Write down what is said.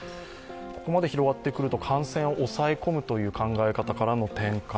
ここまで広がってくると感染を抑え込むという考え方からの転換。